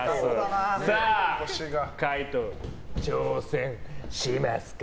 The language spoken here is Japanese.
さあ海仁、挑戦しますか？